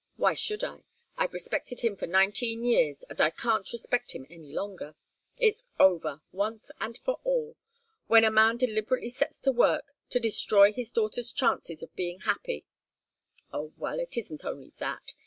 Why should I? I've respected him for nineteen years, and I can't respect him any longer. It's over, once and for all. When a man deliberately sets to work to destroy his daughter's chances of being happy oh, well! It isn't only that.